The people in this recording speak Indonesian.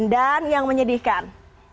dan yang menyedihkan